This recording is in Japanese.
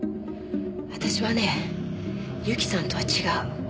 私はねユキさんとは違う。